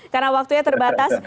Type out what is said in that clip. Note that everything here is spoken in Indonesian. karena waktunya terbatas